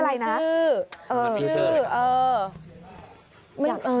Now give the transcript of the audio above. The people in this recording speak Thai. มันมีชื่อ